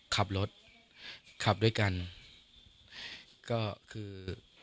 ขับรถขับด้วยกันก็คือ